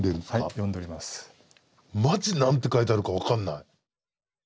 マジ何て書いてあるか分かんない。